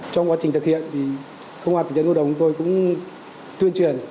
trong quá trình thực hiện thì công an tỉnh dân ngôi đồng tôi cũng tuyên truyền